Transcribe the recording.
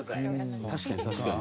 確かに確かに。